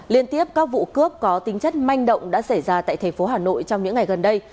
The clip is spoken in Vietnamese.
liên tiếp các vụ cướp có tính chất manh động đã xảy ra tại thành phố hà nội trong những ngày gần đây